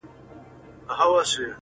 خو زړه کي سيوری شته تل,